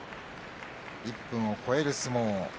１分を超える相撲。